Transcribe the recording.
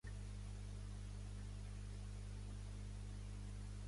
La ruta i el punt de comerç van ser utilitzats els nadius americans i pels colonitzadors.